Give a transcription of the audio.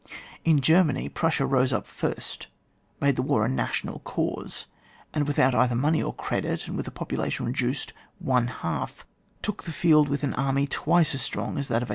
In Germany, Prussia rose up the first, made the war a national cause, and without either money or credit, and with a population reduced one half, took the field with an army twice as strong as that of 1806.